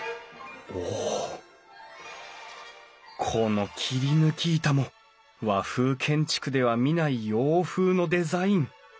この切り抜き板も和風建築では見ない洋風のデザイン。